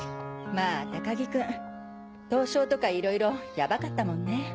まぁ高木君凍傷とかいろいろヤバかったもんね。